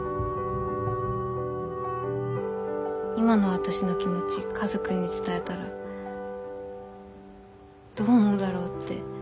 今の私の気持ちカズくんに伝えたらどう思うだろうって考えてたら